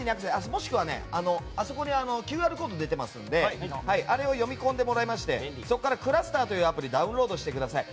もしくはＱＲコードが出ていますのであれを読み込んでもらいましてそこからｃｌｕｓｔｅｒというアプリをダウンロードしてください。